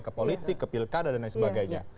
ke politik ke pilkada dan lain sebagainya